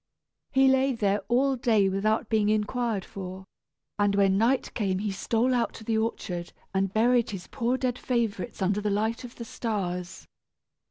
He lay there all day without being inquired for, and when night came he stole out to the orchard and buried his poor dead favorites under the light of the stars.